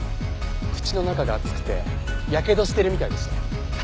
口の中が熱くてやけどしてるみたいでしたよ。